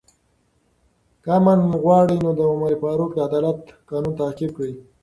که امن غواړئ، نو د عمر فاروق د عدالت قانون تعقیب کړئ.